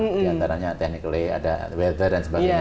di antaranya teknik delay ada weather dan sebagainya